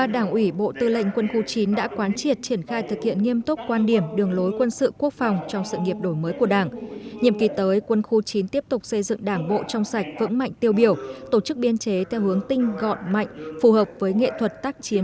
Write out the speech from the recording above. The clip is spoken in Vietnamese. đảng bộ quân khu chín đề ra trong lãnh đạo chỉ đạo công tác quân sự quốc phòng nhiệm kỳ hai nghìn hai mươi hai nghìn hai mươi năm